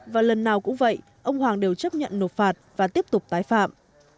và lần nào cũng vậy ông hoàng đều chấp nhận nộp phạt và tiếp tục tái phạm